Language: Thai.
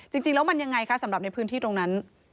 จริงแล้วมันยังไงคะสำหรับในพื้นที่ตรงนั้น